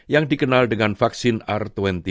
yang dikenal dengan vaksin r dua puluh